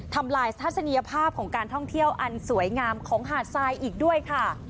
ทำลายทัศนียภาพของการท่องเที่ยวอันสวยงามของหาดทรายอีกด้วยค่ะ